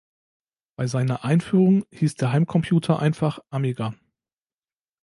Bei seiner Einführung hieß der Heimcomputer einfach „Amiga“.